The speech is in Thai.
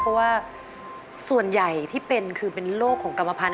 เพราะว่าส่วนใหญ่ที่เป็นคือเป็นโรคของกรรมพันธ